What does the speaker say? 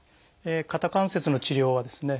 肩関節の治療はですね